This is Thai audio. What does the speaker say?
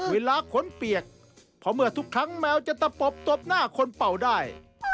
ขนเปียกเพราะเมื่อทุกครั้งแมวจะตะปบตบหน้าคนเป่าได้